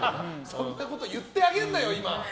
そんなこと言ってあげんなよ、今。